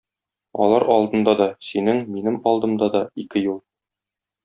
Алар алдында да, синең, минем алдымда да - ике юл.